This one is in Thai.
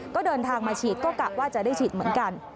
ก็เดินทางมาฉีดก็กะว่าจะได้ฉีดเหมือนกัน